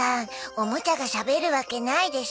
おもちゃがしゃべるわけないでしょ。